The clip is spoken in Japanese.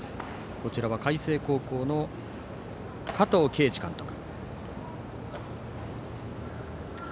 こちらは海星高校の加藤慶二監督。